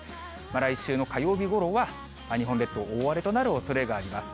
来週の火曜日ごろは、日本列島、大荒れとなるおそれがあります。